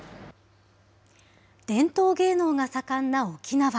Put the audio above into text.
伝統芸能が盛んな沖縄。